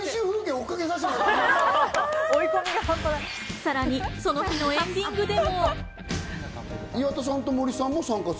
さらにその日のエンディングでも。